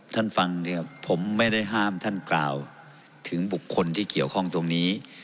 ท่านฟังเนี่ยผมไม่ได้ห้ามท่านกล่าวถึงบุคคลที่เกี่ยวข้องตรงนี้